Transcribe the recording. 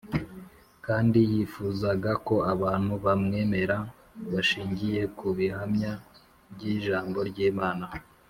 kandi yifuzaga ko abantu bamwemera bashingiye ku bihamya by’ijambo ry’Imana